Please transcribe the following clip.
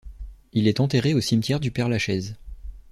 Il est enterré au cimetière du Père Lachaise.